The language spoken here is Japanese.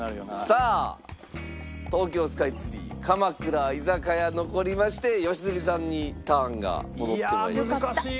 さあ東京スカイツリー鎌倉居酒屋残りまして良純さんにターンが戻って。